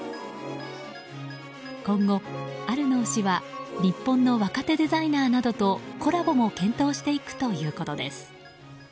今後、アルノー氏は日本の若手デザイナーなどとコラボも検討していくということです。